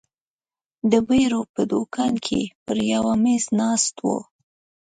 د بیرو په دوکان کې پر یوه مېز ناست وو.